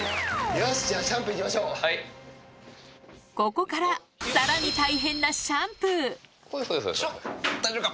よし、じゃあ、シャンプーいきまここから、さらに大変なシャ大丈夫か？